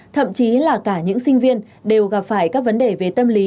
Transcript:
thậm chí là cả những sinh viên đều gặp phải các vấn đề về tâm lý